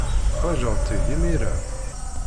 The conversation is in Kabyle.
Teḥwajed-t imir-a?